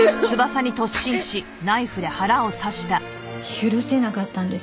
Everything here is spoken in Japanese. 許せなかったんです。